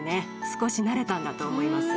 少し慣れたんだと思います。